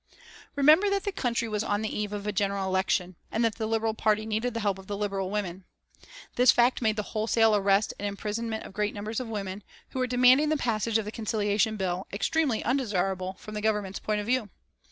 Remember that the country was on the eve of a general election, and that the Liberal Party needed the help of Liberal women. This fact made the wholesale arrest and imprisonment of great numbers of women, who were demanding the passage of the Conciliation Bill, extremely undesirable from the Government's point of view.